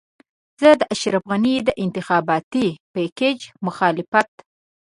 زه د اشرف غني د انتخاباتي پېکج مخالفت.